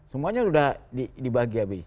semuanya udah dibagi habis